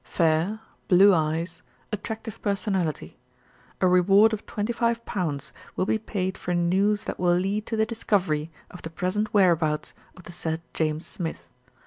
fair, blue eyes, attractive personality. A reward of 25 will be paid for news that will lead to the discovery of the present whereabouts of the said James Smith.